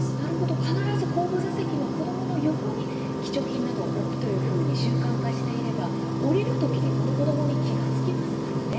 必ず後部座席の子どものそばに貴重品を置くというのを習慣化していけば降りる時に子どものことに気が付きますからね。